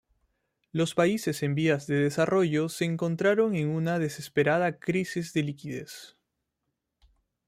Los países en vías de desarrollo se encontraron en una desesperada crisis de liquidez.